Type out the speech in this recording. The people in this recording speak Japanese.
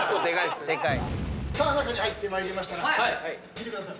さあ中に入ってまいりましたが見てください。